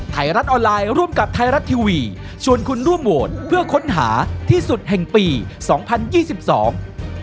ไทยรัฐออนไลน์ร่วมกับไทยรัฐทีวีชวนคุณร่วมโหวตเพื่อค้นหาที่สุดแห่งปีสองพันยี่สิบสอง